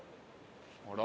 あら？